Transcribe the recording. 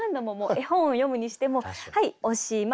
絵本を読むにしても「はいおしまい！」